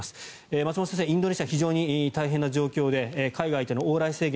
松本先生、インドネシア非常に大変な状況で海外との往来制限